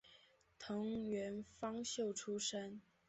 藤原芳秀出身。